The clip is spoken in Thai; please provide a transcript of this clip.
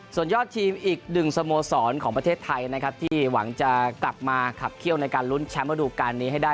ส่วนยอดทีมอีกหนึ่งสโมสรของประเทศไทยนะครับที่หวังจะกลับมาขับเขี้ยวในการลุ้นแชมป์ระดูการนี้ให้ได้